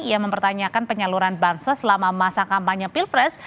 ia mempertanyakan penyaluran bansos selama masa kampanye pilpres